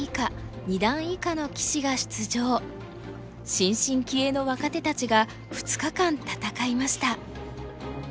新進気鋭の若手たちが２日間戦いました。